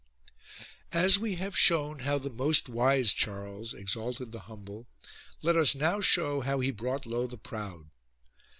1 6. As we have shown how the most wise Charles exalted the humble, let us now show how he brought low the proud.